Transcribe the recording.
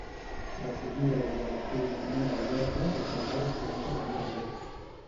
Recollir aigua de pluja en una galleda per regar les plantes interiors